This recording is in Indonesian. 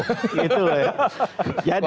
koalisi tenaga dalam